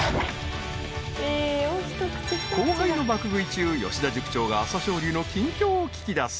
［後輩の爆食い中吉田塾長が朝青龍の近況を聞きだす］